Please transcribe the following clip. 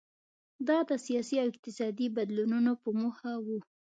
دا د سیاسي او اقتصادي بدلونونو په موخه و.